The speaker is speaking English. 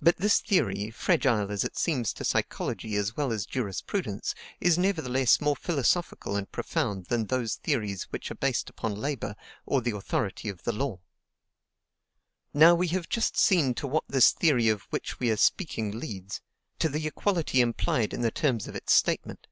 But this theory, fragile as it seems to psychology as well as jurisprudence, is nevertheless more philosophical and profound than those theories which are based upon labor or the authority of the law. Now, we have just seen to what this theory of which we are speaking leads, to the equality implied in the terms of its statement.